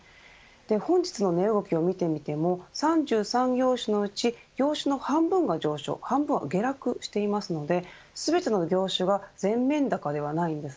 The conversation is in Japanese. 本日の値動きを見てみても３３業種のうち業種の半分が上昇半分は下落していますのでそれぞれの業種が全面高ではないんです。